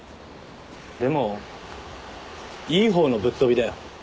でもいい方のぶっ飛びだよ。